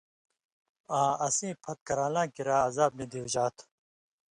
آں اسیں پھت کران٘لاں کِریا عذاب نی دیوژا تُھو،